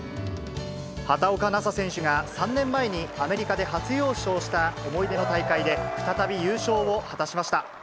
畑岡奈紗選手が３年前にアメリカで初優勝した思い出の大会で、再び優勝を果たしました。